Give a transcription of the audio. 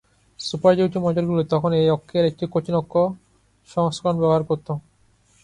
Super duty মডেলগুলি তখন এই অক্ষের একটি কঠিন অক্ষ সংস্করণ ব্যবহার করত।